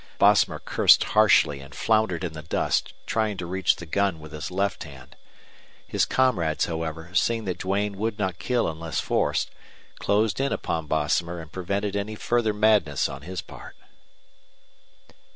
Bosomer cursed harshly and floundered in the dust, trying to reach the gun with his left hand. His comrades, however, seeing that Duane would not kill unless forced, closed in upon Bosomer and prevented any further madness on his part.